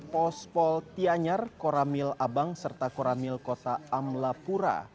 pos pol tianyar koramil abang serta koramil kota amlapura